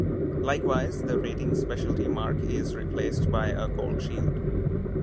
Likewise, the rating specialty mark is replaced by a gold shield.